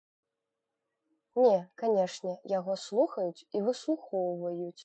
Не, канешне, яго слухаюць і выслухоўваюць.